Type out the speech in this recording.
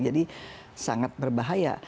jadi sangat berbahaya